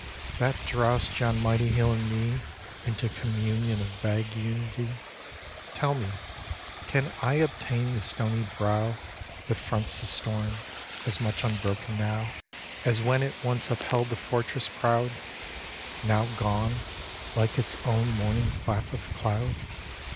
that draw'st yon mighty hill and me Into communion of vague unity, Tell me, can I obtain the stony brow That fronts the storm, as much unbroken now As when it once upheld the fortress proud, Now gone, like its own morning cap of cloud?